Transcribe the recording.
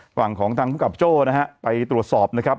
ฝั่งของทางภูมิกับโจ้นะฮะไปตรวจสอบนะครับ